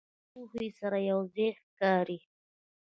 مېز له لوښو سره یو ځای ښکاري.